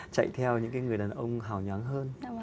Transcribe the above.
chạy theo những người đàn ông hào nháng hơn